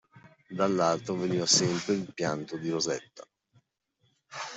Dall’alto veniva sempre il pianto di Rosetta.